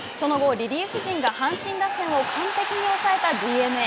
リリーフ陣が阪神打線を完璧に抑えたＤｅＮＡ。